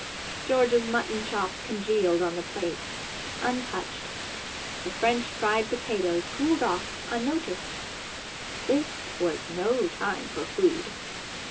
George's mutton chop congealed on the plate, untouched. The French fried potatoes cooled off, unnoticed. This was no time for food.